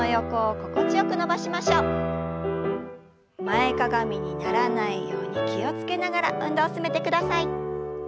前かがみにならないように気を付けながら運動を進めてください。